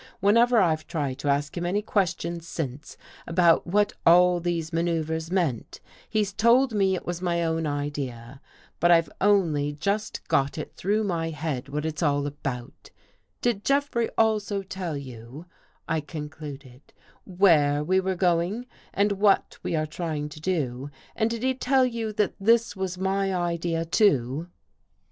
Whenever I've tried to ask him any questions since, about what all these maneuvers meant, he's told me it was my own Idea. But I've only just got it 202 A NIGHT RIDE through my head what it's all about. Did Jeffrey also tell you," I concluded, " where we were going and what we are going to do and did he tell you that this was my idea, too?